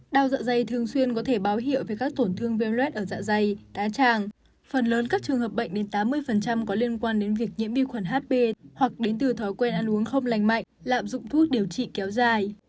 đau dạ dây thường xuyên có thể báo hiệu về các tổn thương viêm luet ở dạ dày cá tràng phần lớn các trường hợp bệnh đến tám mươi có liên quan đến việc nhiễm vi khuẩn hp hoặc đến từ thói quen ăn uống không lành mạnh lạm dụng thuốc điều trị kéo dài